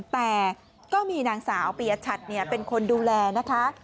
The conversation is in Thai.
แต่ก็มีนางสาวปียชัดเป็นคนดูแลนะคะ